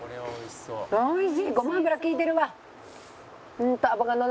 おいしい！